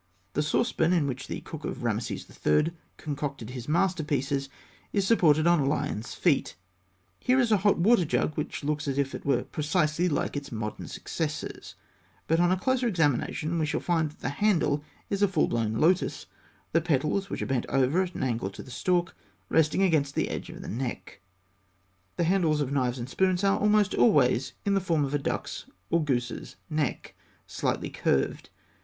The saucepan in which the cook of Rameses III. concocted his masterpieces is supported on lions' feet. Here is a hot water jug which looks as if it were precisely like its modern successors (fig. 276); but on a closer examination we shall find that the handle is a full blown lotus, the petals, which are bent over at an angle to the stalk, resting against the edge of the neck (fig. 277). The handles of knives and spoons are almost always in the form of a duck's or goose's neck, slightly curved.